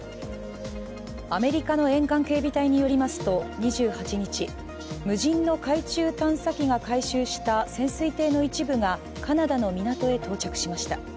アメリカの沿岸警備隊によりますと２８日、無人の海中探査機が回収した潜水艇の一部がカナダの港へ到着しました。